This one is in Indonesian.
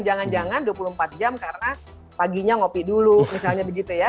jangan jangan dua puluh empat jam karena paginya ngopi dulu misalnya begitu ya